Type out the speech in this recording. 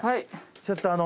ちょっとあの。